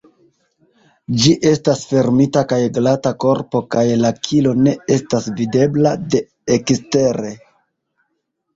Ĝi estas fermita kaj glata korpo kaj la kilo ne estas videbla de ekstere.